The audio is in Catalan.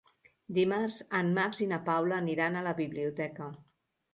Dimarts en Max i na Paula aniran a la biblioteca.